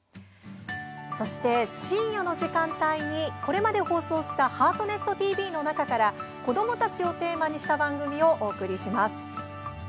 そして、深夜の時間帯にこれまで放送した「ハートネットＴＶ」の中から子どもたちをテーマにした番組をお送りします。